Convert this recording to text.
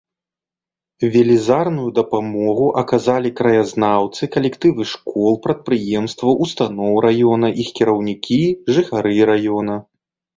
Велізарную дапамогу аказалі краязнаўцы, калектывы школ, прадпрыемстваў, устаноў раёна, іх кіраўнікі, жыхары раёна.